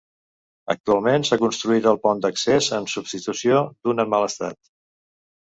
Actualment s'ha construït el pont d'accés, en substitució d'un en mal estat.